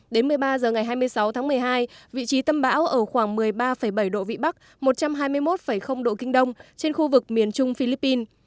đến một mươi ba h ngày hai mươi sáu tháng một mươi hai vị trí tâm bão ở khoảng một mươi ba bảy độ vĩ bắc một trăm hai mươi một độ kinh đông trên khu vực miền trung philippines